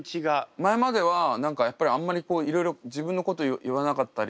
前までは何かやっぱりあんまりいろいろ自分のこと言わなかったり。